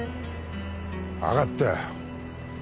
わかったよ。